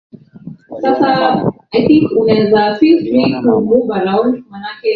Waliona mama.